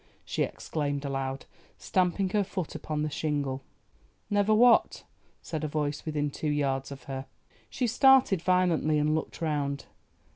she exclaimed aloud, stamping her foot upon the shingle. "Never what?" said a voice, within two yards of her. She started violently, and looked round.